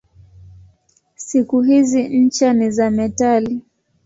Siku hizi ncha ni za metali.